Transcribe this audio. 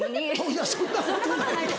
いやそんなことないよ。